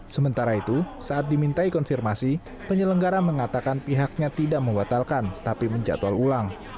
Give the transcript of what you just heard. sementara itu saat dimintai konfirmasi penyelenggara mengatakan pihaknya tidak membatalkan tapi menjatual ulang